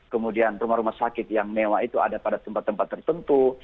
kemudian rumah rumah sakit yang mewah itu ada pada tempat tempat tertentu